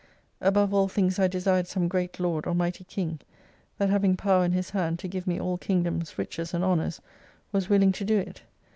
Above all things I desired some Great Lord, or Mighty King, that having power in His hand, to give me all Kingdoms, Riches, and Honours, was willing to do it.